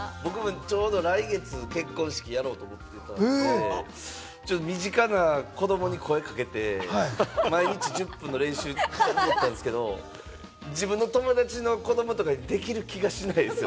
ちょうど来月、結婚式やろうと思ってて、身近な子供に声かけて、毎日１０分の練習をと思ったんですけど、自分の友達の子供とかにできる気がしないです。